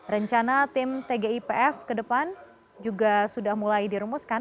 rencana tim tgipf ke depan juga sudah mulai dirumuskan